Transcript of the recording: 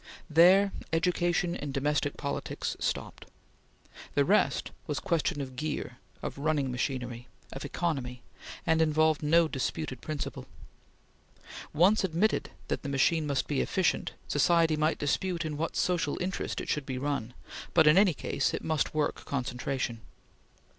There, education in domestic politics stopped. The rest was question of gear; of running machinery; of economy; and involved no disputed principle. Once admitted that the machine must be efficient, society might dispute in what social interest it should be run, but in any case it must work concentration.